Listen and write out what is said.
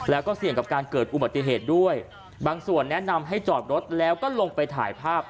แล้วก็เสี่ยงกับการเกิดอุบัติเหตุด้วยบางส่วนแนะนำให้จอดรถแล้วก็ลงไปถ่ายภาพ